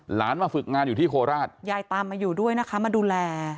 มาฝึกงานอยู่ที่โคราชยายตามมาอยู่ด้วยนะคะมาดูแล